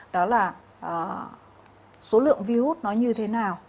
đó là số lượng virus nó như thế nào